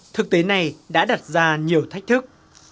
thực tế này đã đặt ra nhiều thách thức